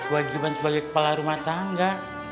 wajiban sebagai kepala rumah tangga